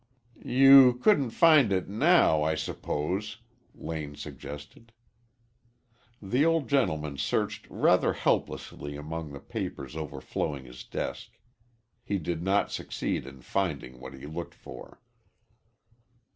"You couldn't find it now, I suppose," Lane suggested. The old gentleman searched rather helplessly among the papers overflowing his desk. He did not succeed in finding what he looked for.